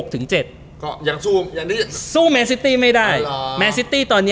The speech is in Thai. เต็ม๑๐ผมให้๖ถึง๗